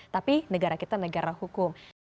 tapi negara kita negara hukum